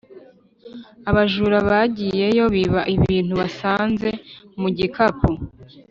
abajura bagiyeyo biba ibintu basanze mu gipangu